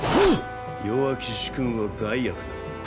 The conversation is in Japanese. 弱き主君は害悪なり。